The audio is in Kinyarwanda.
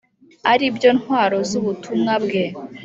ari byo ntwaro z’ubutumwa bwe.